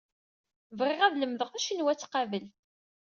Bɣiɣ ad lemdeɣ tacinwat qabel.